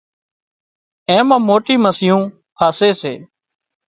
اين مان موٽي مسيون ڦاسي سي